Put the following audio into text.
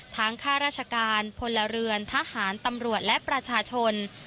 ข้าราชการพลเรือนทหารตำรวจและประชาชน